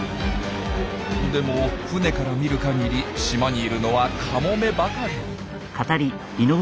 でも船から見るかぎり島にいるのはカモメばかり。